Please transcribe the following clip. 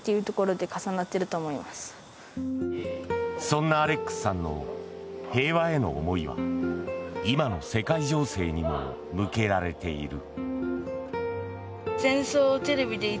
そんなアレックスさんの平和への思いは今の世界情勢にも向けられている。